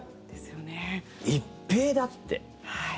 一平だって。